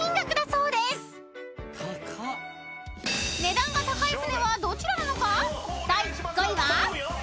［値段が高い船はどちらなのか？］